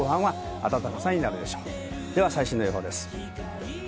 最新の予報です。